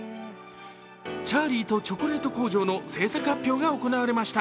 「チャーリーとチョコレート工場」の制作発表が行われました。